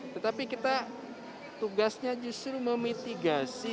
tetapi kita tugasnya justru memitigasi